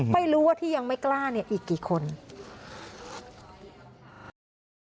ไม่รู้ว่าที่ยังไม่กล้าเนี่ยอีกกี่คน